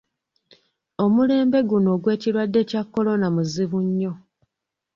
Omulembe guuno ogw'ekirwadde kya kkolona muzibu nnyo.